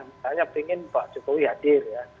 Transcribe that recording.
misalnya ingin pak jokowi hadir ya